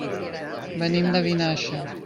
Venim de Vinaixa.